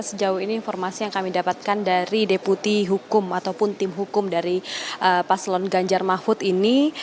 sejauh ini informasi yang kami dapatkan dari deputi hukum ataupun tim hukum dari paslon ganjar mahfud ini